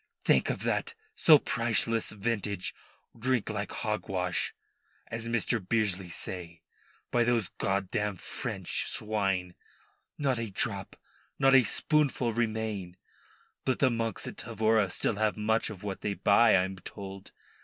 "Think of that so priceless vintage drink like hogwash, as Mr. Bearsley say, by those god dammed French swine, not a drop not a spoonful remain. But the monks at Tavora still have much of what they buy, I am told.